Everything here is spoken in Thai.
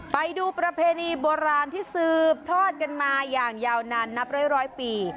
ไปดูประเพณีโบราณที่สืบทอดกันมาอย่างยาวนานนับร้อยปี